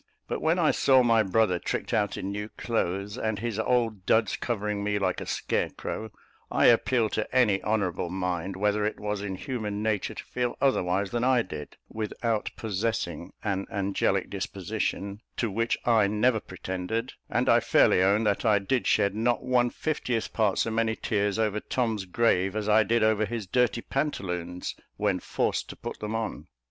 But when I saw my brother tricked out in new clothes, and his old duds covering me, like a scarecrow, I appeal to any honourable mind whether it was in human nature to feel otherwise than I did, without possessing an angelic disposition, to which I never pretended; and I fairly own that I did shed not one fiftieth part so many tears over Tom's grave, as I did over his dirty pantaloons, when forced to put them on.